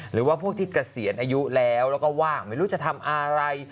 หรือว่าพวกที่เกษียณอายุแล้วแล้วก็ว่างไม่รู้จะทำอะไร